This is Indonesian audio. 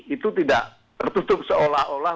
itu tidak tertutup seolah olah